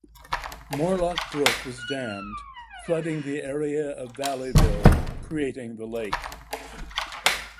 Morlock Brook was dammed, flooding the area of Valleyville, creating the lake.